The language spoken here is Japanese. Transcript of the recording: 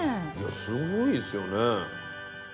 いやすごいですよね。